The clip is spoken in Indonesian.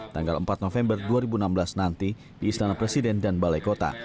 tanggal empat november dua ribu enam belas nanti di istana presiden dan balai kota